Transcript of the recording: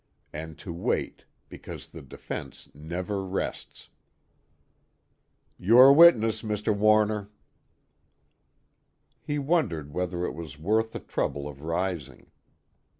And to wait, because the defense never rests. "Your witness, Mr. Warner." He wondered whether it was worth the trouble of rising.